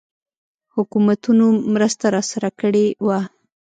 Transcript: حکومتونو مرسته راسره کړې وه.